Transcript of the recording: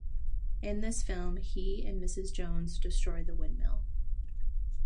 In this film, he and Mrs. Jones destroy the windmill.